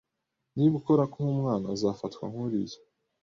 Niba ukora nkumwana, uzafatwa nkuriya